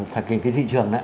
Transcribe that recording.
thời kỳ tiến thị trường